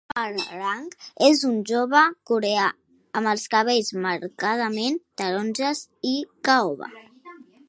Hwoarang és un jove coreà amb els cabells marcadament taronges i caoba.